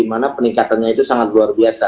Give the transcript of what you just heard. di mana peningkatannya itu sangat luar biasa